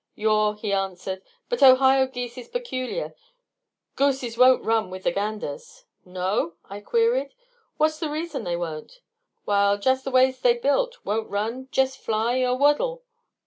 "Yaw," he answered. "But Ohio geese is peculiar. Gooses won't run with th' ganders." "No?" I queried. "What's the reason they won't?" "Wall, jest th' way they's built. Won't run jest fly, er waddle."